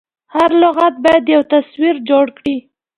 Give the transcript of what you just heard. هر لغت باید یو تصویر جوړ کړي.